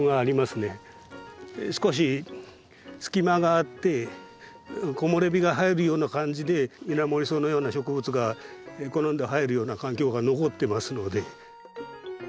少し隙間があって木漏れ日が入るような感じでイナモリソウのような植物が好んで生えるような環境が残ってますので。